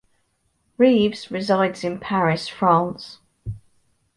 Reeves resides in Paris, France.